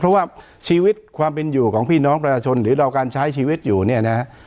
เพราะว่าชีวิตความเป็นอยู่ของพี่น้องประชาชนหรือเราการใช้ชีวิตอยู่เนี่ยนะฮะ